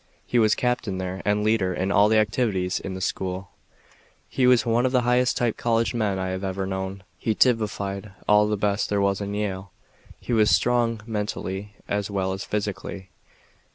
He was captain there and leader in all the activities in the school. He was one of the highest type college men I have ever known. He typified all the best there was in Yale. He was strong mentally, as well as physically.